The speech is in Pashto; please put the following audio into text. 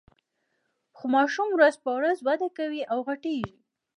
خو ماشوم ورځ په ورځ وده کوي او غټیږي.